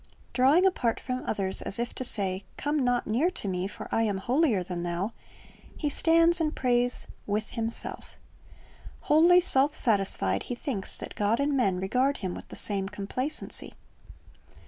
Drawing apart from others as if to say, "Come not near to me; for I am holier than thou,"^ he stands and prays "with himself" Wholly self satisfied, he thinks that God and men regard him with the same complacency.